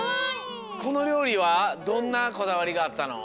このりょうりはどんなこだわりがあったの？